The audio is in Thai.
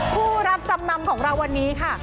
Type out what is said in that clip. ผู้รับจำนำของเราวันนี้ค่ะ